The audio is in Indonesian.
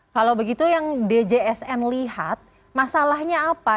kalau begitu yang djsn lihat masalahnya apa